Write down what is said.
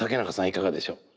いかがでしょう？